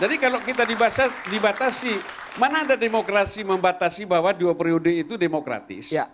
jadi kalau kita dibatasi mana ada demokrasi membatasi bahwa dua periode itu demokratis